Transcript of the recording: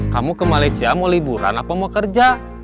kamu ke malaysia mau liburan apa mau kerja